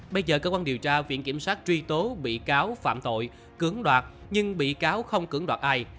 bây giờ cơ quan điều tra viện kiểm soát truy tố bị cáo phạm tội cứng đoạt nhưng bị cáo không cứng đoạt ai